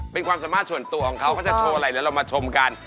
เป็นความสามารถส่วนตัวของเขาเขาจะโชว์อะไรเดี๋ยวเรามาชมกัน